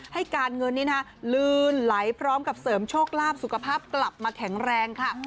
ให้การเงินนี้นะลืนไหลพร้อมกับเสริมโชคลาภสุขภาพกลับมาแข็งแรงค่ะ